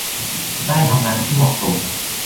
ได้ทำงานที่เหมาะสม